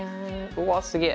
うわすげえ！